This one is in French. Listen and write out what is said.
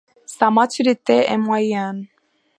Sa maturité est moyenne.